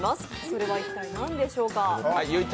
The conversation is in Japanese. それは一体何でしょうかはい結実